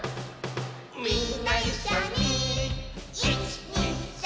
「みんないっしょに１・２・３！」